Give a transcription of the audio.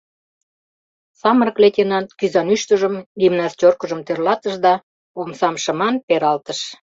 Самырык лейтенант кӱзанӱштыжым, гимнастёркыжым тӧрлатыш да омсам шыман пералтыш.